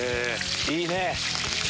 いいね！